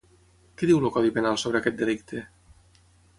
Què diu el Codi Penal sobre aquest delicte?